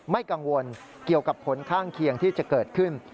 ไม่กังวลเกี่ยวกับผลข้างเคียงที่จะเกิดขึ้น